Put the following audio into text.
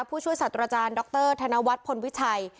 ผู้ช่วยศาสตราจารย์ดรธนวัฒน์พลวิชัย